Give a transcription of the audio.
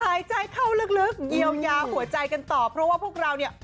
หายใจเข้าลึกเยียวยาหัวใจกันต่อเพราะว่าพวกเราเนี่ย